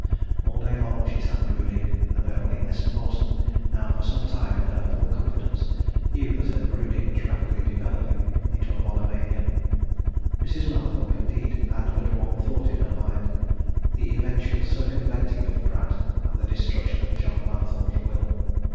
All day long she sat brooding and only Esther Mawson, now for some time in her full confidence, knew that her brooding was rapidly developing into a monomania. Mrs. Mallathorpe, indeed, had but one thought in her mind the eventual circumventing of Pratt, and the destruction of John Mallathorpe's will.